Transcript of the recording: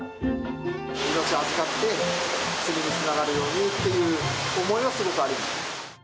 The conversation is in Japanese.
命を預かって、次につながるようにっていう思いはすごくあります。